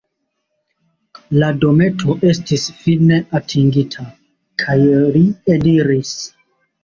La dometo estis fine atingita, kaj li eniris.